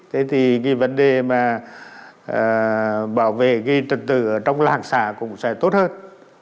thế thì cái vấn đề mà bảo vệ cái trật tự trong làng xã cũng sẽ tốt hơn